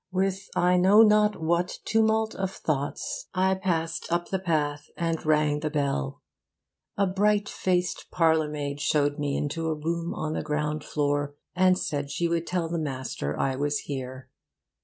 With I know not what tumult of thoughts I passed up the path and rang the bell. A bright faced parlourmaid showed me into a room on the ground floor, and said she would tell the master I was here.